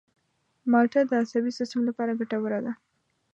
مالټه د عصبي سیستم لپاره ګټوره ده.